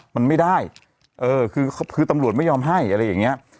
มันไม่ได้เออคือตำรวจไม่ยอมให้อะไรอย่างเงี้ย